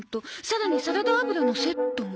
「さらにサラダ油のセットも」。